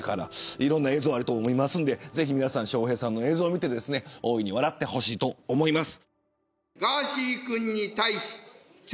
いろんな映像あると思いますので皆さん、笑瓶さんの映像を見て大いに笑ってほしいと思います。